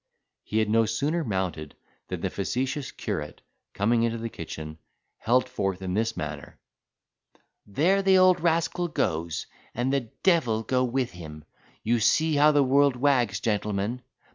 He had no sooner mounted than the facetious curate, coming into the kitchen, held forth in this manner: "There the old rascal goes, and the d—l go with him. You see how the world wags, gentlemen.